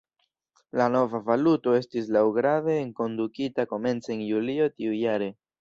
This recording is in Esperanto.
La nova valuto estis laŭgrade enkondukita komence el Julio tiujare.